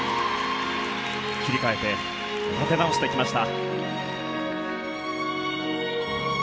切り替えて立て直してきました。